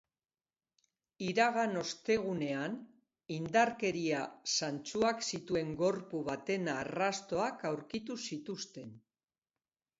Iragan ostegunean, indarkeria zantzuak zituen gorpu baten arrastoak aurkitu zituzten.